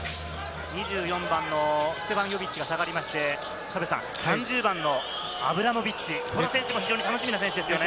２４番のステファン・ヨビッチが下がりまして、３０番のアブラモビッチ、楽しみな選手ですね。